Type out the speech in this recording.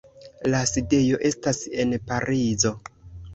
La sidejo estas en Parizo.